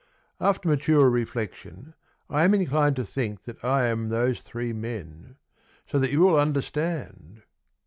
After mature reflection, I am inclined to think that I am those three men So that you will understand.